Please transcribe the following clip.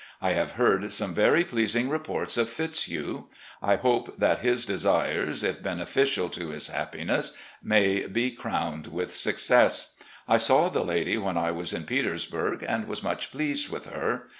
I have heard some very pleasing reports of Fitzhugh. I hope that his desires, if beneficial to his happiness, may be crowned with success. I saw the lady when I was in Petersburg, and was much pleased with her.